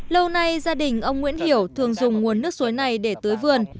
lâu nay gia đình ông nguyễn hiểu thường dùng nguồn nước suối này để tưới vườn